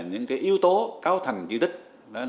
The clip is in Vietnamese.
hiện nay xuống cấp một cách rất trầm trạng